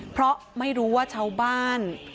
เพราะไม่รู้ว่าชาวบ้าน